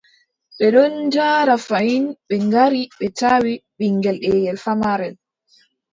Ɓe ɗon njaada fayin, ɓe ngari, ɓe tawi, ɓiŋngel deyel famarel.